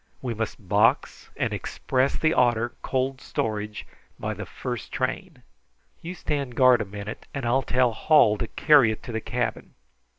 We must box and express the otter, cold storage, by the first train. You stand guard a minute and I'll tell Hall to carry it to the cabin.